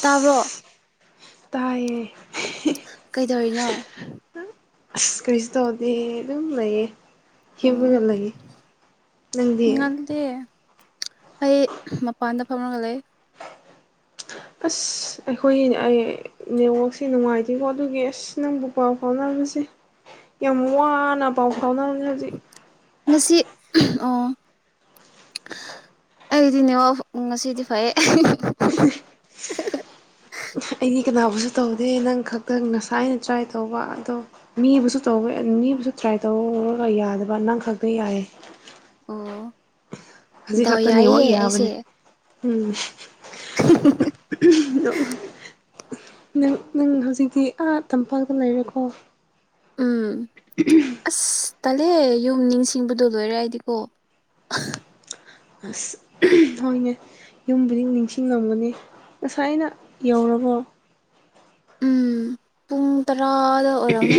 ꯇꯥꯕ꯭ꯔꯣ ꯇꯥꯏꯌꯦ ꯀꯩꯗꯧꯔꯤꯅꯣ ꯑꯁ ꯀꯔꯤꯁꯨ ꯇꯧꯗꯦ ꯑꯗꯨꯝ ꯂꯩꯌꯦ ꯑꯣ ꯍꯤꯞꯔꯒ ꯂꯩꯌꯦ ꯅꯪꯗꯤ ꯇꯦ ꯑꯩ ꯃꯄꯥꯟꯗ ꯐꯝꯔꯒ ꯂꯩ ꯑꯁ ꯑꯩꯈꯣꯏꯒꯤꯅꯦ ꯑꯩ ꯅꯦꯠꯋꯥꯛꯁꯦ ꯅꯨꯡꯉꯥꯏꯇꯦꯀꯣ ꯑꯗꯨꯒꯤ ꯑꯁ ꯁꯤ ꯅꯪꯕꯨ ꯄꯥꯎ ꯐꯥꯎꯅꯕꯁꯤ ꯌꯥꯝ ꯋꯥꯅ ꯄꯥꯎ ꯐꯥꯎꯅꯕꯅꯦ ꯍꯧꯖꯤꯛ ꯉꯁꯤ ꯑꯣ ꯑꯩꯗꯤ ꯅꯦꯠꯋꯥꯛ ꯉꯁꯤꯗꯤ ꯐꯩꯌꯦ ꯑꯩꯗꯤ ꯀꯅꯥꯕꯨꯁꯨ ꯇꯧꯗꯦ ꯅꯪ ꯈꯛꯇꯪ ꯉꯁꯥꯏꯅ ꯇ꯭ꯔꯥꯏ ꯇꯧꯕ ꯑꯗꯣ ꯃꯤꯕꯨꯁꯨ ꯇꯧꯋꯦ ꯃꯤꯕꯨꯁꯨ ꯇ꯭ꯔꯥꯏ ꯇꯧꯔꯨꯔꯒ ꯌꯥꯗꯕ ꯅꯪ ꯈꯛꯇ ꯌꯥꯏ ꯑꯣ ꯍꯧꯖꯤꯛ ꯗꯥꯎ ꯈꯛꯇ ꯌꯥꯏꯍꯦ ꯅꯦꯠꯋꯥꯛ ꯑꯩꯁꯦ ꯌꯥꯕꯅꯦ ꯎꯝ [unintelligible] ꯗꯣ ꯅꯪ ꯅꯪ ꯍꯧꯖꯤꯛꯇꯤ ꯑꯥ ꯇꯝꯄꯥꯛꯇ ꯂꯩꯔꯦꯀꯣ ꯎꯝ [inaudible] ꯑꯁ ꯇꯜꯂꯦ ꯌꯨꯝ ꯅꯤꯡꯁꯤꯡꯕꯗꯣ ꯂꯣꯏꯔꯦ ꯑꯩꯗꯤꯀꯣ [unintelligible] ꯍꯣꯏꯅꯦ ꯌꯨꯝꯕꯨꯗꯤ ꯅꯤꯡꯁꯤꯡꯉꯝꯒꯅꯤ ꯉꯁꯥꯏꯅ ꯌꯧꯔꯕꯣ ꯎꯝ ꯄꯨꯡ ꯇꯔꯥꯗ ꯑꯣꯏꯔꯝꯅꯤ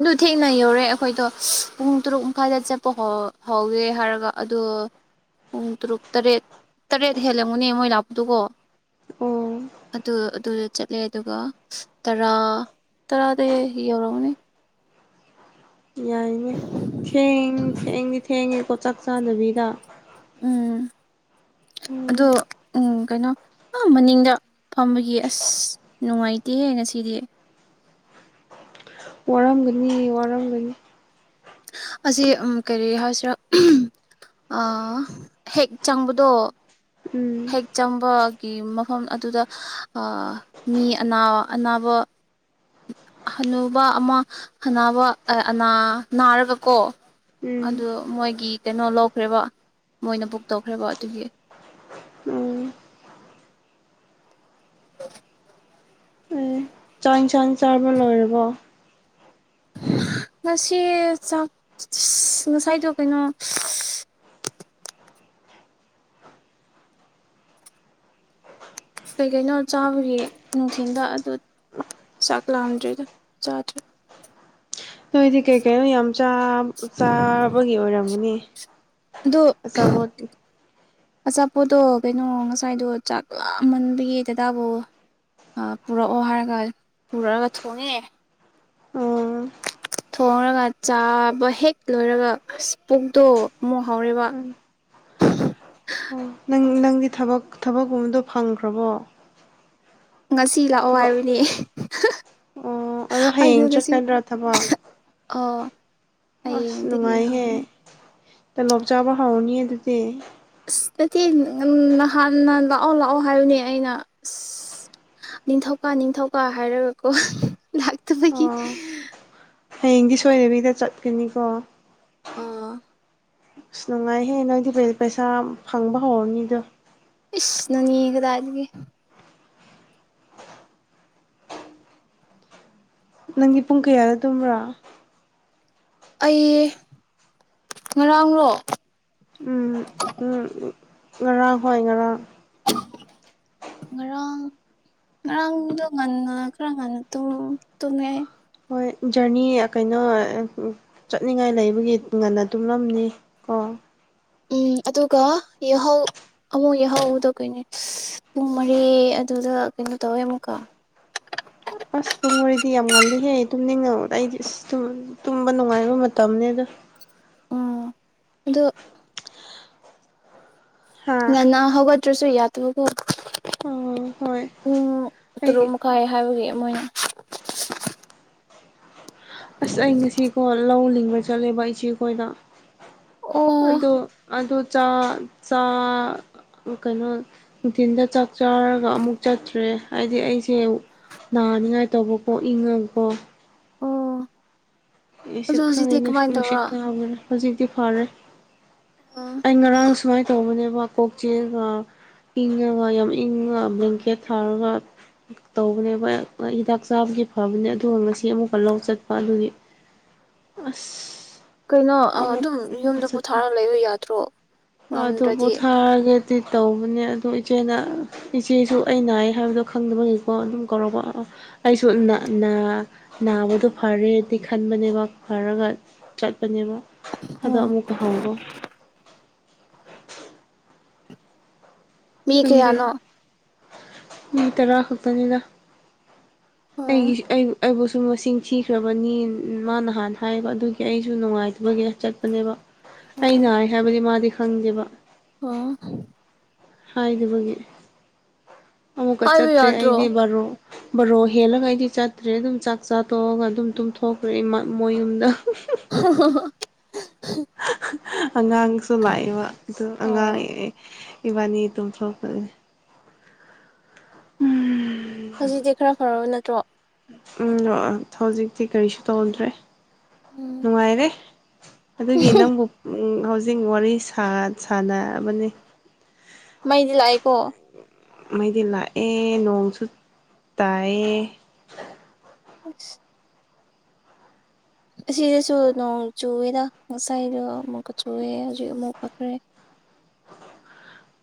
ꯑꯗꯨ ꯊꯦꯡꯅ ꯌꯧꯔꯦ ꯑꯈꯣꯏꯗꯣ ꯄꯨꯡ ꯇꯔꯨꯛ ꯃꯈꯥꯏꯗ ꯆꯠꯄ ꯍꯣ ꯍꯧꯒꯦ ꯍꯥꯏꯔꯒ ꯑꯗꯣ ꯄꯨꯡ ꯇꯔꯨꯛ ꯇꯔꯦꯠ ꯇꯔꯦꯠ ꯍꯦꯜꯂꯝꯒꯥꯅꯦ ꯃꯣꯏ ꯂꯥꯛꯄꯗꯨꯀꯣ ꯑꯣ ꯑꯗꯨ ꯑꯗꯨꯗ ꯆꯠꯂꯦ ꯑꯗꯨꯒ ꯇꯔꯥ ꯇꯔꯥꯗꯤ ꯌꯧꯔꯝꯒꯅꯤ ꯌꯥꯏꯅꯦ ꯊꯦꯡ ꯊꯦꯡꯗꯤ ꯊꯦꯡꯉꯦꯀꯣ ꯆꯥꯛ ꯆꯥꯗꯕꯤꯗ ꯎꯝ ꯎꯝ ꯑꯗꯨ ꯎꯝ ꯀꯩꯅꯣ ꯑꯥ ꯃꯅꯤꯡꯗ ꯐꯝꯕꯒꯤ ꯑꯁ ꯅꯨꯡꯉꯥꯏꯇꯦꯍꯦ ꯉꯁꯤꯗꯤ ꯋꯥꯔꯝꯒꯅꯤ ꯋꯥꯔꯝꯒꯅꯤ ꯑꯁꯤ ꯎꯝ ꯀꯔꯤ ꯍꯥꯏꯁꯤꯔꯥ ꯑꯥ ꯍꯦꯛ ꯆꯪꯕꯗꯣ ꯎꯝ ꯍꯦꯛ ꯆꯪꯕꯒꯤ ꯃꯐꯝ ꯑꯗꯨꯗ ꯑꯥ ꯃꯤ ꯑꯅ ꯑꯅꯥꯕꯥ ꯍꯅꯨꯕꯥ ꯑꯃ ꯍꯥꯅꯕ ꯑꯅꯥ ꯅꯥꯔꯒ ꯀꯣ ꯎꯝ ꯑꯗꯨ ꯃꯣꯏꯒꯤ ꯀꯩꯅꯣ ꯂꯧꯈ꯭ꯔꯦꯕ ꯃꯣꯏꯅ ꯕꯨꯛ ꯇꯧꯈ꯭ꯔꯦꯕ ꯑꯗꯨꯒꯤ ꯎꯝ [inaudible] ꯎꯝ ꯆꯥꯛ ꯏꯟꯁꯥꯡ ꯆꯥꯔꯕꯥ ꯂꯣꯏꯔꯕꯣ ꯉꯁꯤ ꯆꯥꯛ ꯉꯁꯥꯏꯗꯣ ꯀꯩꯅꯣ ꯀꯩ ꯀꯩꯅꯣ ꯆꯥꯕꯒꯤ ꯅꯨꯡꯊꯤꯟꯗ ꯑꯗꯨ ꯆꯥꯛ ꯂꯥꯝꯗ꯭ꯔꯤꯗ ꯆꯥꯗ꯭ꯔꯤ ꯅꯣꯏꯗꯤ ꯀꯩ ꯀꯩꯅꯣ ꯌꯥꯝ ꯆꯥꯕ ꯆꯥꯕꯒꯤ ꯑꯣꯏꯔꯝꯒꯅꯤ ꯑꯗꯣ ꯑꯆꯥꯄꯣꯠ ꯑꯆꯥꯄꯣꯠꯇꯣ ꯀꯩꯅꯣ ꯉꯁꯥꯏꯗꯣ ꯆꯥꯛ ꯂꯥꯝꯃꯟꯕꯩꯒꯤ ꯗꯥꯗꯕꯨ ꯄꯨꯔꯛꯑꯣ ꯍꯥꯏꯔꯒ ꯄꯨꯔꯛꯑꯒ ꯊꯣꯡꯉꯦ ꯑꯣ ꯊꯣꯡꯔꯒ ꯆꯥꯕ ꯍꯦꯛ ꯂꯣꯏꯔꯒ ꯑꯁ ꯄꯨꯛꯇꯣ ꯑꯃꯨꯛ ꯍꯧꯔꯦꯕ ꯑꯣ ꯅꯪ ꯅꯪꯗꯤ ꯊꯕꯛ ꯊꯕꯛꯀꯨꯝꯕꯗꯣ ꯐꯪꯈ꯭ꯔꯕꯣ ꯉꯁꯤ ꯂꯥꯛꯑꯣ ꯊꯕꯛ ꯍꯥꯏꯕꯅꯦ ꯑꯣ ꯑꯗꯣ ꯑꯩꯗꯣ ꯍꯌꯦꯡ ꯉꯁꯤ ꯆꯠꯀꯗ꯭ꯔꯥ ꯊꯕꯛ ꯑꯣ ꯑꯁ ꯍꯌꯦꯡꯗꯒꯤ ꯅꯨꯡꯉꯥꯏꯍꯦ ꯍꯧꯔꯅꯤ ꯇꯂꯣꯞ ꯆꯥꯕ ꯍꯥꯎꯅꯤꯌꯦ ꯑꯗꯨꯗꯤ ꯑꯁ ꯅꯠꯇꯦ ꯅꯍꯥꯟꯅ ꯂꯥꯛꯑꯣ ꯂꯥꯛꯑꯣ ꯍꯥꯏꯕꯅꯦ ꯑꯩꯅ ꯑꯁ ꯅꯤꯡꯊꯧꯀꯥ ꯅꯤꯡꯊꯧꯀꯥ ꯍꯥꯏꯔꯒꯀꯣ ꯂꯥꯛꯇꯕꯒꯤ ꯑꯣ ꯍꯌꯦꯡꯗꯤ ꯁꯣꯏꯗꯕꯤꯗ ꯆꯠꯀꯅꯤꯀꯣ ꯑꯥ ꯑꯁ ꯅꯨꯡꯉꯥꯏꯍꯦ ꯅꯪꯗꯤ ꯄꯩꯁꯥ ꯐꯪꯕ ꯍꯧꯔꯅꯤꯗꯣ ꯏꯁ ꯅꯪꯉꯤ ꯀꯥꯗꯥꯏꯗꯒꯤ ꯅꯪꯒꯤ ꯄꯨꯡ ꯀꯌꯥꯗ ꯇꯨꯝꯕ꯭ꯔꯥ ꯑꯩ ꯉꯔꯥꯡꯔꯣ ꯎꯝ ꯍꯨꯃ ꯉꯔꯥꯡ ꯍꯣꯏ ꯉꯔꯥꯡ ꯉꯔꯥꯡ ꯉꯔꯥꯡꯗꯣ ꯉꯟꯅ ꯈꯔ ꯉꯟꯅ ꯇꯨꯝ ꯇꯨꯝꯃꯦ ꯑꯩ ꯍꯣꯏ ꯖꯔꯅꯤ ꯀꯩꯅꯣ ꯆꯠꯅꯤꯡꯉꯥꯏ ꯂꯩꯕꯒꯤ ꯉꯟꯅ ꯇꯨꯝꯂꯝꯅꯤꯀꯣ ꯎꯝ ꯑꯗꯨꯒ ꯌꯥꯍꯧ ꯑꯃꯨꯛ ꯌꯥꯍꯧꯗꯣ ꯀꯩꯅꯦ ꯄꯨꯡ ꯃꯔꯤ ꯑꯗꯨꯗ ꯀꯩꯅꯣ ꯇꯧꯋꯦ ꯑꯃꯨꯛꯀ ꯑꯁ ꯄꯨꯡ ꯃꯔꯤꯗꯤ ꯌꯥꯝ ꯉꯜꯂꯤꯍꯦ ꯇꯨꯝꯅꯤꯡꯉꯛ ꯑꯩꯗꯤ ꯑꯁ ꯇꯨꯝꯕ ꯅꯨꯡꯉꯥꯏꯕ ꯃꯇꯝꯅꯦꯗ ꯎꯝ ꯑꯗꯣ ꯍꯥ ꯉꯟꯅꯥ ꯍꯧꯒꯠꯇꯔꯁꯨ ꯌꯥꯗꯕꯀꯣ ꯎꯝ ꯍꯣꯏ ꯑꯩ ꯀꯥꯏ ꯍꯥꯏꯕꯒꯤ ꯃꯣꯏꯅ ꯑꯁ ꯑꯩ ꯉꯁꯤꯀꯣ ꯂꯧ ꯂꯤꯡꯕ ꯆꯠꯂꯦꯕ ꯏꯆꯦꯈꯣꯏꯗ ꯑꯣ ꯑꯗꯣ ꯑꯗꯣ ꯆꯥ ꯆꯥ ꯀꯩꯅꯣ ꯅꯨꯡꯊꯤꯟꯗ ꯆꯥꯛ ꯆꯥꯔꯒ ꯑꯃꯨꯛ ꯆꯠꯇ꯭ꯔꯦ ꯍꯥꯏꯗꯤ ꯑꯩꯁꯦ ꯅꯥꯅꯤꯡꯉꯥꯏ ꯇꯧꯕꯀꯣ ꯏꯪꯉꯀꯣ ꯑꯣ ꯑꯩꯁꯨ ꯑꯗꯣ ꯍꯧꯖꯤꯛꯇꯤ ꯈꯪꯗꯦꯅ‌ꯦ ꯀꯃꯥꯏꯅ ꯅꯨꯡꯁꯤꯠ ꯇꯧꯔ ꯀꯥꯕꯔ ꯍꯧꯖꯤꯛꯇꯤ ꯐꯔꯦ ꯑ ꯑꯩ ꯉꯔꯥꯡ ꯁꯨꯃꯥꯏ ꯇꯧꯕꯅꯦꯕ ꯀꯣꯛ ꯆꯤꯛꯑꯒ ꯏꯪꯉꯒ ꯌꯥꯝ ꯏꯪꯉ ꯕ꯭ꯂꯦꯡꯀꯦꯠ ꯊꯥꯔꯒ ꯇꯧꯕꯅꯦꯕ ꯑꯩꯌꯥꯛ ꯍꯤꯗꯥꯛ ꯆꯥꯕꯒꯤ ꯐꯕꯅꯦ ꯑꯗꯨꯒ ꯉꯁꯤ ꯑꯃꯨꯛꯀ ꯂꯧ ꯆꯠꯄ ꯑꯗꯨꯒꯤ ꯑꯁ ꯀꯩꯅꯣ ꯑ ꯑꯃꯨꯛ ꯑꯗꯨꯝ ꯑꯃꯨꯛꯀ ꯌꯨꯝꯗ ꯆꯠꯇ꯭ꯔꯦ ꯄꯣꯊꯥꯔ ꯂꯩꯕ ꯌꯥꯗ꯭ꯔꯣ ꯑꯗꯨ ꯉꯝꯗ꯭ꯔꯗꯤ ꯄꯣꯊꯥꯔꯒꯗꯤ ꯇꯧꯕꯅꯦ ꯑꯗꯨ ꯏꯆꯦꯅ ꯏꯆꯦꯁꯨ ꯑꯩ ꯅꯥꯏ ꯍꯥꯏꯕꯗꯣ ꯈꯪꯗꯕꯒꯤꯀꯣ ꯑꯗꯨꯝ ꯀꯧꯔꯛꯄ ꯑꯩꯁꯨ ꯅ ꯅꯥ ꯅꯥꯕꯗꯨ ꯐꯔꯦꯗꯤ ꯈꯟꯕꯅꯦꯕ ꯐꯔꯒ ꯆꯠꯄꯅꯦꯕ ꯑꯗꯣ ꯑꯣ ꯑꯃꯨꯛꯀ ꯍꯧꯕ ꯃꯤ ꯈꯪꯗꯦ ꯀꯌꯥꯅꯣ ꯃꯤ ꯇꯔꯥ ꯈꯛꯇꯅꯤꯗ ꯑꯣ ꯑꯩꯒꯤꯠꯁ ꯑꯩ ꯑꯩꯕꯨꯁꯨ ꯃꯁꯤꯡ ꯊꯤꯈ꯭ꯔꯕꯅꯤ ꯃꯥ ꯅꯍꯥꯟ ꯍꯥꯏꯕ ꯑꯗꯨꯒꯤ ꯑꯩꯁꯨ ꯅꯨꯡꯉꯥꯏꯇꯕꯒꯤ ꯆꯠꯄꯅꯦꯕ ꯑꯩ ꯎꯝ ꯅꯥꯏ ꯍꯥꯏꯕꯗꯤ ꯃꯥꯗꯤ ꯈꯪꯗꯦꯕ ꯑꯣ ꯍꯥꯏꯗꯕꯒꯤ ꯑꯃꯨꯛꯀ ꯍꯥꯏꯕ ꯆꯠꯇ꯭ꯔꯦ ꯌꯥꯗ꯭ꯔꯣ ꯑꯩꯗꯤ ꯕꯥꯔꯣ ꯕꯥꯔꯣ ꯍꯦꯜꯂꯒ ꯑꯩꯗꯤ ꯆꯠꯇ꯭ꯔꯦ ꯑꯗꯨꯝ ꯆꯥꯛ ꯆꯥ ꯇꯣꯛꯑꯒ ꯑꯗꯨꯝ ꯇꯨꯝꯊꯣꯛꯈ꯭ꯔꯦ ꯃ ꯃꯣꯏ ꯌꯨꯝꯗ [unintelligible] ꯑꯉꯥꯡꯁꯨ ꯂꯥꯛꯏꯕ ꯑꯗꯨ ꯑꯉꯥꯡ ꯑꯣ ꯑꯦꯑꯦ ꯏꯕꯥꯅꯤ ꯇꯨꯝꯊꯣꯛꯄꯅꯦ ꯎꯝ ꯍꯧꯖꯤꯛꯇꯤ ꯈꯔ ꯐꯔꯕ ꯅꯠꯇ꯭ꯔꯣ ꯎꯝ ꯅ‌ꯣꯛꯑ ꯊꯧꯖꯤꯛꯇꯤ ꯀꯔꯤꯁꯨ ꯇꯧꯗ꯭ꯔꯦ ꯎꯝ ꯅꯨꯡꯉꯥꯏꯔꯦ ꯑꯗꯨꯒꯤ ꯅꯪꯕꯨ ꯎꯝ ꯍꯧꯖꯤꯛ ꯋꯥꯔꯤ ꯁꯥ ꯁꯥꯟꯅꯕꯅꯦ ꯃꯩꯗꯤ ꯂꯥꯛꯏꯀꯣ ꯃꯩꯗꯤ ꯂꯥꯛꯑꯦ ꯅꯣꯡꯁꯨ ꯇꯥꯏꯌꯦ ꯑꯁ ꯑꯁꯤꯗꯁꯨ ꯅꯣꯡ ꯆꯨꯑꯦꯗ ꯉꯁꯥꯏꯗꯣ ꯑꯃꯨꯛꯀ ꯆꯨꯑꯦ ꯍꯧꯖꯤꯛ ꯑꯃꯨꯛ ꯐꯈ꯭ꯔꯦ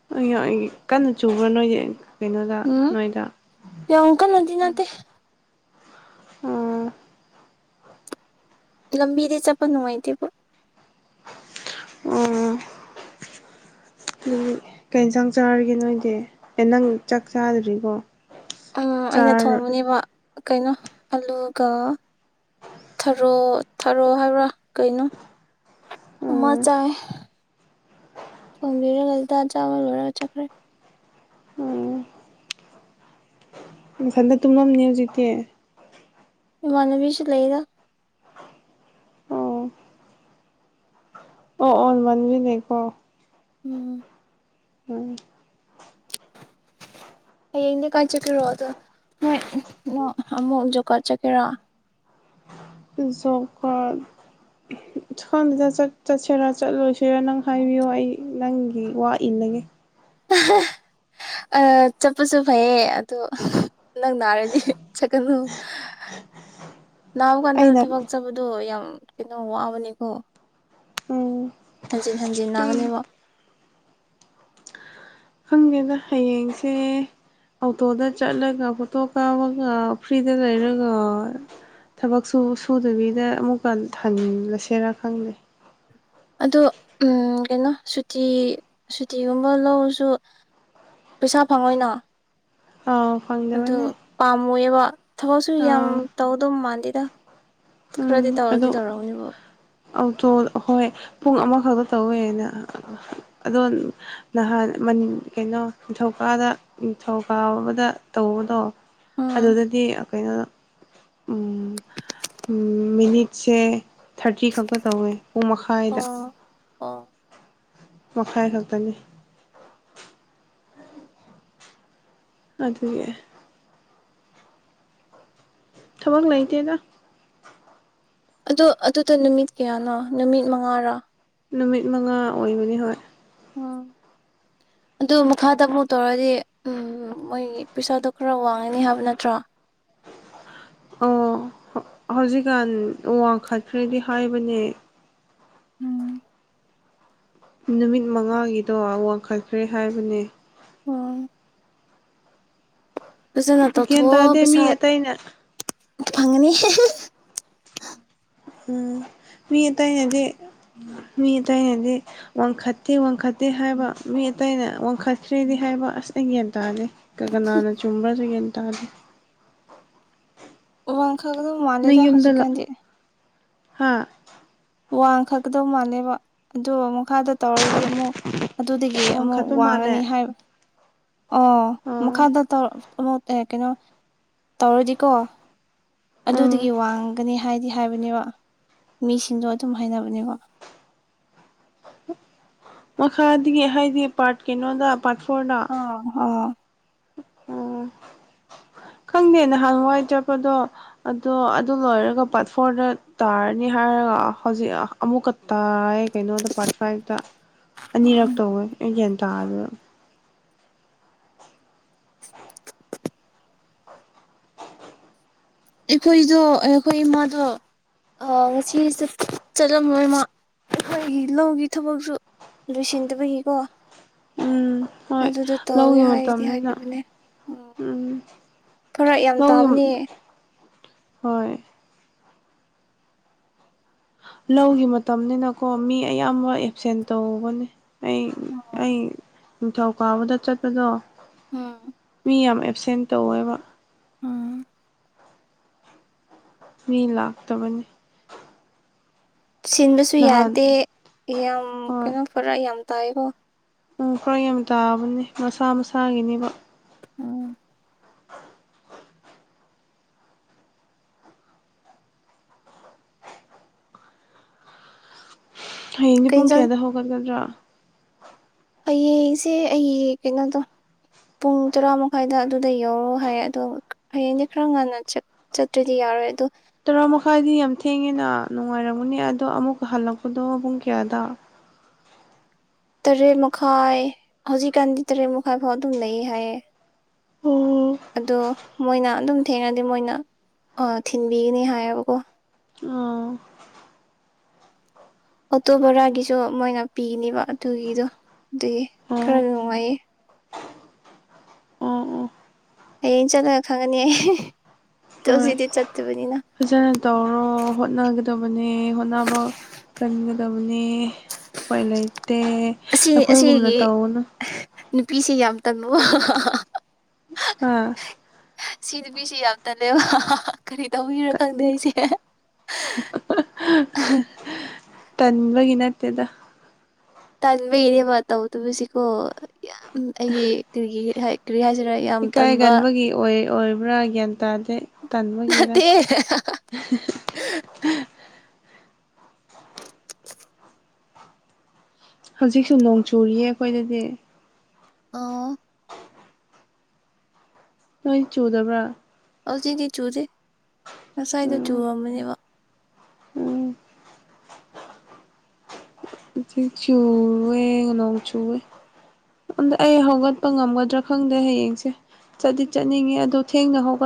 [unintelligible] ꯀꯟꯅ ꯆꯨꯕ꯭ꯔꯥ ꯅꯣꯏꯗꯤ ꯀꯩꯅꯣꯗ ꯎꯝ ꯅꯣꯏꯗ ꯌꯥꯝ ꯀꯥꯟꯅꯗꯤ ꯅꯠꯇꯦ ꯑꯣ ꯂꯝꯕꯤꯗꯤ ꯆꯠꯄ ꯅꯨꯡꯉꯥꯏꯇꯦꯕꯣ ꯑ‌ꯣ [unintelligible] ꯀꯩ ꯏꯟꯖꯥꯡ ꯆꯥꯔꯒꯦ ꯅꯣꯏꯗꯤ ꯑꯦ ꯅꯪ ꯆꯥꯛ ꯆꯥꯗ꯭ꯔꯤꯕꯣ ꯎꯝ ꯑꯩꯅ ꯊꯣꯡꯕꯅꯦꯕ ꯀꯩꯅꯣ ꯑꯂꯨꯒꯥ ꯊꯔꯣ ꯊꯔꯣ ꯍꯥꯏꯕ꯭ꯔꯥ ꯀꯩꯅꯣ ꯑꯃ ꯑꯣ ꯆꯥꯏ ꯊꯣꯡꯕꯤꯔꯒ ꯇꯥ ꯆꯥꯕ ꯂꯣꯏꯔꯒ ꯆꯠꯈ꯭ꯔꯦ ꯎꯝ ꯅꯊꯟꯇ ꯇꯨꯝꯃꯝꯅꯤ ꯍꯧꯖꯤꯛꯇꯤ ꯏꯃꯥꯟꯅꯕꯤꯁꯨ ꯂꯩꯗ ꯑꯣ ꯑꯣ ꯑꯣ ꯅꯃꯥꯟꯅꯕꯤ ꯂꯩꯀꯣ ꯎꯝ ꯎꯝ ꯍꯌꯦꯡꯗꯤ ꯀꯥꯏ ꯆꯠꯀꯦꯔꯣꯗꯣ ꯅꯣꯏ ꯅꯣ ꯑꯃꯨꯛ ꯖꯣꯞꯀꯥꯠ ꯆꯠꯀꯦꯔꯥ ꯖꯣꯛꯀꯥꯔꯠ ꯁꯈꯡꯗꯦꯗ ꯆꯠ ꯆꯠꯁꯤꯔꯥ ꯆꯠꯂꯣꯏꯁꯤꯔꯥ ꯅꯪ ꯍꯥꯏꯕꯤꯌꯣ ꯑꯩ ꯅꯪꯒꯤ ꯋꯥ ꯏꯜꯂꯒꯦ ꯍꯥ ꯑ ꯆꯠꯄꯁꯨ ꯐꯩꯌꯦ ꯑꯗꯣ ꯅꯪ ꯅꯥꯔ ꯆꯠꯀꯅꯨ ꯅꯥꯕ ꯀꯥꯟꯗ ꯑꯩꯅ ꯊꯕꯛ ꯆꯠꯕꯗꯣ ꯌꯥꯝ ꯀꯩꯅꯣ ꯋꯥꯕꯅꯤꯀꯣ ꯎꯝ ꯍꯟꯖꯤꯟ ꯍꯟꯖꯤꯟ ꯎꯝ ꯅꯥꯒꯅꯦꯕ ꯈꯪꯗꯦꯗ ꯍꯌꯦꯡꯁꯦ ꯑꯧꯇꯣꯗ ꯆꯠꯂꯒ ꯐꯣꯇꯣ ꯀꯥꯞꯄꯒ ꯐ꯭ꯔꯤꯗ ꯂꯩꯔꯒ ꯊꯕꯛꯁꯨ ꯁꯨꯗꯕꯤꯗ ꯑꯃꯨꯛꯀ ꯊꯜꯂꯁꯦꯔꯥ ꯈꯪꯗꯦ ꯑꯗꯣ ꯎꯝ ꯀꯩꯅꯣ ꯁꯨꯇꯤ ꯁꯨꯇꯤꯒꯨꯝꯕ ꯂꯧꯔꯁꯨ ꯄꯩꯁꯥ ꯐꯪꯉꯣꯏꯅ ꯑꯥ ꯑꯗꯨ ꯄꯥꯝꯃꯣꯏꯌꯦꯕ ꯊꯕꯛꯁꯨ ꯌꯥꯝ ꯑꯥ ꯇꯧꯗꯧ ꯃꯥꯟꯗꯦꯗ ꯈꯔꯗꯤ ꯇꯧꯔꯗꯤ ꯇꯧꯔꯝꯒꯅꯤꯕꯣ ꯑꯧꯇꯣ ꯍꯣꯏ ꯄꯨꯡ ꯑꯃꯈꯛꯇ ꯇꯧꯋꯦꯅ ꯑꯗꯣ ꯅꯍꯥꯟ ꯃꯟ ꯀꯩꯅꯣ ꯅꯤꯡꯊꯧꯀꯥꯗ ꯅꯤꯡꯊꯧꯀꯥꯕꯗ ꯇꯧꯕꯗꯣ ꯎꯝ ꯑꯗꯨꯗꯗꯤ ꯑ ꯀꯩꯅꯣ ꯎꯝ ꯎꯝ ꯃꯤꯅꯤꯠꯁꯦ ꯀꯤ ꯈꯛꯄ ꯇꯧꯌꯦ ꯄꯨꯡꯃꯈꯥ ꯑꯣ ꯑꯣ ꯃꯈꯥꯏ ꯈꯛꯇꯅꯤ ꯑꯗꯨꯒꯤ ꯊꯕꯛ ꯂꯩꯇꯦꯗ ꯑꯗꯣ ꯑꯗꯨꯗꯣ ꯅꯨꯃꯤꯠ ꯀꯌꯥꯅꯣ ꯅꯨꯃꯤꯠ ꯃꯉꯥꯔꯥ ꯅꯨꯃꯤꯠ ꯃꯉꯥ ꯑꯣꯏꯕꯅꯤ ꯍꯣꯏ ꯎꯝ ꯑꯗꯨ ꯃꯈꯥꯇ ꯑꯃꯨꯛ ꯇꯧꯔꯗꯤ ꯎꯝ ꯃꯣꯏꯒꯤ ꯄꯩꯁꯥꯗꯣ ꯈꯔ ꯋꯥꯡꯉꯅꯤ ꯍꯥꯏꯕ ꯅꯠꯇ꯭ꯔꯣ ꯑꯣ ꯍꯧꯖꯤꯛꯒꯥꯟ ꯋꯥꯡꯈꯠꯈ꯭ꯔꯦꯗꯤ ꯍꯥꯏꯕꯅꯦ ꯎꯝ ꯅꯨꯃꯤꯠ ꯃꯉꯥꯒꯤꯗꯣ ꯋꯥꯡꯈꯠꯈ꯭ꯔꯦ ꯍꯥꯏꯕꯅꯦ ꯎꯝ ꯐꯖꯅ ꯒ꯭ꯌꯥꯟ ꯇꯧꯊꯣꯛꯑꯣ ꯇꯥꯗꯦ ꯃꯤ ꯄꯩꯁꯥꯏ ꯑꯇꯩꯅ ꯐꯪꯉꯅꯤ ꯎꯝ ꯃꯤ ꯑꯇꯩꯅꯗꯤ ꯃꯤ ꯑꯇꯩꯅꯗꯤ ꯋꯥꯡꯈꯠꯇꯦ ꯋꯥꯡꯈꯠꯇꯦ ꯍꯥꯏꯕ ꯃꯤ ꯑꯇꯩꯅ ꯋꯥꯡꯈꯠꯈ꯭ꯔꯦꯗꯤ ꯍꯥꯏꯕ ꯑꯁ ꯑꯩ ꯒ꯭ꯌꯥꯟ ꯇꯥꯗꯦ ꯀꯒꯅꯥꯅ ꯆꯨꯝꯕ꯭ꯔꯥꯖꯨ ꯒꯌ꯭ꯥꯟ ꯇꯥꯗꯦ ꯋꯥꯡꯈꯒꯗꯣ ꯃꯥꯜꯂꯦꯗ ꯍꯧꯖꯤꯛꯀꯥꯟꯗꯤ ꯍꯥꯥ ꯋꯥꯡꯈꯛꯀꯗꯧ ꯃꯥꯜꯂꯦꯕ ꯑꯗꯣ ꯃꯈꯥꯗ ꯇꯧꯔꯗꯤ ꯑꯃꯨꯛ ꯑꯗꯨꯗꯒꯤ ꯑꯃꯨꯛ ꯋꯥꯡꯈꯠꯄ ꯃꯥꯜꯂꯦ ꯋꯥꯡꯉꯅꯤ ꯍꯥꯏ ꯑꯣ ꯑꯣ ꯃꯈꯥꯗ ꯇꯧ [unintelligible] ꯑꯦ ꯀꯩꯅꯣ ꯇꯧꯔꯗꯤꯀꯣ ꯎꯝ ꯑꯗꯨꯗꯒꯤ ꯋꯥꯡꯒꯅꯤ ꯍꯥꯏꯗꯤ ꯍꯥꯏꯕꯅꯦꯕ ꯃꯤꯁꯤꯡꯗꯣ ꯑꯗꯨꯝ ꯍꯥꯏꯅꯕꯅꯦꯕ ꯃꯈꯥꯗꯤ ꯍꯥꯏꯗꯤ ꯄꯥꯔꯠ ꯀꯩꯅꯣꯗ ꯄꯥꯔꯠ ꯐꯣꯔꯗ ꯑꯡ ꯍ ꯑꯣ ꯈꯪꯗꯦ ꯅꯍꯥꯟ ꯋꯥꯏ ꯆꯠꯄꯗꯣ ꯑꯗꯣ ꯑꯗꯨ ꯂꯣꯏꯔꯒ ꯄꯥꯔꯠ ꯐꯣꯔꯗ ꯇꯥꯔꯅꯤ ꯍꯥꯏꯔ ꯍꯧꯖꯤꯛ ꯑꯃꯨꯛꯀ ꯇꯥꯏ ꯀꯩꯅꯣꯗꯣ ꯄꯥꯔꯠ ꯐꯥꯏꯚꯇ ꯑꯅꯤꯔꯛ ꯑꯩꯈꯣꯏꯗꯣ ꯇꯧꯋꯦ ꯑꯩ ꯒ꯭ꯌꯥꯟ ꯇꯥꯗꯅ ꯑꯩꯈꯣꯏꯖꯨ ꯑꯩꯈꯣꯏ ꯏꯃꯥꯗꯣ ꯑ ꯉꯁꯤ ꯆꯠ ꯆꯠꯂꯝꯂꯣꯏꯃ ꯑꯩꯈꯣꯏꯒꯤ ꯂꯧꯒꯤ ꯊꯕꯛꯁꯨ ꯂꯣꯏꯁꯤꯟꯗꯕꯒꯤꯀꯣ ꯎꯝ ꯍꯣꯏ ꯑꯗꯨꯗꯨ ꯇꯧꯋꯦ ꯂꯧꯒꯤ ꯍꯥꯏꯗꯤ ꯃꯇꯝꯅꯤꯅ ꯍꯥꯏꯈꯤꯕꯅꯦ ꯎꯝ ꯐꯔꯛ ꯌꯥꯝ ꯂꯧꯒꯤ ꯇꯥꯕꯅꯤ ꯍꯣꯏ ꯂꯧꯒꯤ ꯃꯇꯝꯅꯤꯅꯀꯣ ꯃꯤ ꯑꯌꯥꯝꯕ ꯑꯦꯞꯁꯦꯟ ꯇꯧꯕꯅꯦ ꯑꯩ ꯑꯩ ꯅꯤꯡꯊꯧ ꯀꯥꯕꯗ ꯆꯠꯄꯗꯣ ꯃꯤ ꯌꯥꯝ ꯑꯦꯞꯁꯦꯟ ꯇꯧꯋꯦꯕ ꯎꯝ ꯃꯤ ꯂꯥꯛꯇꯕꯅꯦ ꯁꯤꯟꯕꯁꯨ ꯅꯍꯥꯟ ꯌꯥꯗꯦ ꯌꯥꯝ ꯀꯩꯅꯣ ꯐꯔꯥꯛ ꯌꯥꯝ ꯇꯥꯏꯀꯣ ꯎꯝ ꯈꯔ ꯌꯥꯝ ꯇꯥꯕꯅꯦ ꯃꯁꯥ ꯃꯁꯥꯒꯤꯅꯦꯕ ꯎꯝ ꯍꯌꯦꯡꯗꯤ ꯀꯩ ꯄꯨꯡ ꯏꯟꯖꯥꯡ ꯀꯌꯥꯗ ꯍꯧꯒꯠꯂꯗ꯭ꯔꯥ ꯍꯌꯦꯡꯁꯦ ꯑꯩꯒꯤ ꯀꯩꯅꯣꯗꯣ ꯄꯨꯡ ꯇꯔꯥ ꯃꯈꯥꯏꯗ ꯑꯗꯨꯗ ꯌꯧꯔꯣ ꯍꯥꯏ ꯑꯗꯣ ꯍꯌꯦꯡꯗꯤ ꯈꯔ ꯉꯟꯅ ꯆꯠ ꯆꯠꯇ꯭ꯔꯗꯤ ꯌꯥꯔꯣꯏ ꯑꯗꯣ ꯇꯔꯥ ꯃꯈꯥꯏꯗꯤ ꯌꯥꯝ ꯊꯦꯡꯉꯦꯅ ꯅꯨꯡꯉꯥꯏꯔꯝꯒꯅꯤ ꯑꯗꯣ ꯑꯃꯨꯛꯀ ꯍꯜꯂꯛꯄꯗꯣ ꯄꯨꯡ ꯀꯌꯥꯗ ꯇꯔꯦꯠ ꯃꯈꯥꯏ ꯍꯧꯖꯤꯛꯀꯥꯟꯗꯤ ꯇꯔꯦꯠ ꯃꯈꯥꯏ ꯐꯥꯎ ꯑꯗꯨꯝ ꯂꯩꯌꯦ ꯍꯥꯏꯌꯦ ꯑꯣ ꯑꯗꯣ ꯃꯣꯏꯅ ꯑꯗꯨꯝ ꯊꯦꯡꯔꯗꯤ ꯃꯣꯏꯅ ꯑꯥ ꯊꯤꯟꯕꯤꯒꯅꯤ ꯍꯥꯏꯌꯦꯕꯀꯣ ꯑꯥ ꯑꯣꯇꯣ ꯕꯣꯔꯥꯒꯤꯁꯨ ꯃꯣꯏꯅ ꯄꯤꯅꯤꯕ ꯑꯗꯨꯒꯤꯗꯣ ꯗꯨꯒꯤ ꯑꯣ ꯈꯔ ꯅꯨꯡꯉꯥꯏꯌꯦ ꯑꯣ ꯑꯣ ꯍꯌꯦꯡ ꯆꯠꯂꯒ ꯈꯪꯉꯅꯤ ꯇꯣ ꯍꯣꯏ ꯖꯤꯠꯇꯤꯠ ꯆꯠꯇꯕꯅꯤꯅ ꯐꯖꯅ ꯇꯧꯔꯣ ꯍꯣꯠꯅꯒꯗꯕꯅꯦ ꯍꯣꯠꯅꯕ ꯀꯟꯒꯗꯕꯅꯦ ꯄꯥꯏ ꯂꯩꯇꯦ ꯑꯈꯣꯏꯒꯨꯝꯅ ꯇꯧꯒꯅꯨ ꯅꯨꯄꯤꯁꯦ ꯌꯥꯝ ꯇꯟꯕꯋꯣ [unintelligible] ꯍꯥ ꯁꯤ ꯅꯨꯄꯤꯁꯤ ꯌꯥꯝ ꯇꯜꯂꯦꯕ [unintelligible] ꯀꯔꯤ ꯇꯧꯕꯩꯔ ꯈꯪꯗꯦ ꯁꯦ [unintelligible] ꯇꯟꯕꯒꯤ ꯅꯠꯇꯦꯗ ꯇꯟꯕꯩꯅꯦꯕ ꯇꯧꯗꯕꯁꯤꯀꯣ ꯌꯥꯝ ꯑꯩꯒꯤ ꯀꯔꯤꯒꯤ ꯍꯥꯏ ꯀꯔꯤ ꯍꯥꯏꯁꯤꯔ ꯏꯀꯥꯏꯒꯟꯕꯒꯤ ꯑꯣꯏ ꯑꯣꯏꯕ꯭ꯔꯥ ꯒ꯭ꯌꯥꯟ ꯇꯥꯗꯦ ꯇꯟꯕꯒꯤꯔꯥ ꯅꯠꯇꯦ [unintelligible] ꯍꯧꯖꯤꯛꯁꯨ ꯅꯣꯡ ꯆꯨꯔꯤꯌꯦ ꯑꯈꯣꯏꯗꯗꯤ ꯑꯣ ꯅꯣꯏ ꯆꯨꯗꯕ꯭ꯔꯥ ꯍꯧꯖꯤꯛꯇꯤ ꯆꯨꯗꯦ ꯉꯁꯥꯏꯗ ꯎꯝ ꯆꯨꯔꯝꯕꯅꯦꯕ ꯎꯝ [unintelligible] ꯆꯨꯋꯦ ꯅꯣꯡ ꯆꯨꯋꯦ ꯑꯗ ꯑꯩ ꯍꯧꯒꯠꯄ ꯉꯝꯒꯗ꯭ꯔꯥ ꯈꯪꯗꯦ ꯍꯌꯦꯡꯁꯦ ꯆꯠꯗꯤ ꯆꯠꯅꯤꯡꯉꯦ ꯑꯗꯣ ꯊꯦꯡꯅ ꯍꯧꯒꯠ